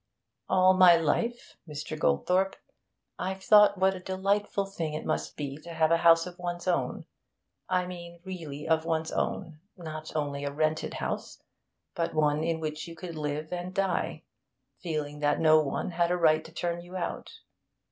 'All my life, Mr. Goldthorpe, I've thought what a delightful thing it must be to have a house of one's own. I mean, really of one's own; not only a rented house, but one in which you could live and die, feeling that no one had a right to turn you out.